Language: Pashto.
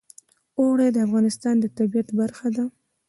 اوړي د افغانستان د طبیعت برخه ده.